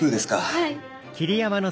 はい。